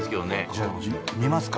じゃあ見ますか。